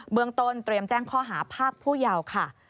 เมืองต้นเตรียมแจ้งข้อหาภาคผู้เยาว์ค่ะ